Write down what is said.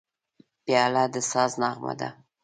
پیاله د ساز نغمه ده.